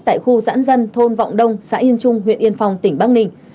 tại khu giãn dân thôn vọng đông xã yên trung huyện yên phong tỉnh bắc ninh